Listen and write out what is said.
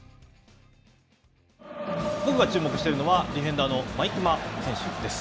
僕が注目しているのは、ディフェンダーの毎熊選手です。